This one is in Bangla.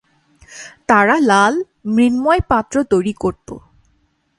তারা লাল মৃন্ময় পাত্র তৈরি করত।